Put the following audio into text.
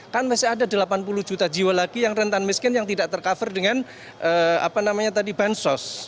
kan masih ada delapan puluh juta jiwa lagi yang rentan miskin yang tidak tercover dengan apa namanya tadi bansos